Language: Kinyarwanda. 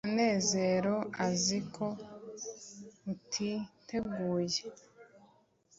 munezero azi ko utiteguye